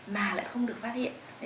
mà lại không được phát hiện